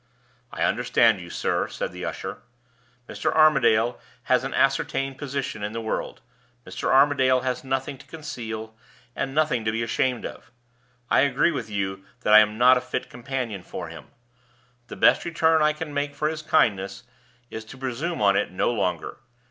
"I understand you, sir," said the usher. "Mr. Armadale has an ascertained position in the world; Mr. Armadale has nothing to conceal, and nothing to be ashamed of. I agree with you that I am not a fit companion for him. The best return I can make for his kindness is to presume on it no longer.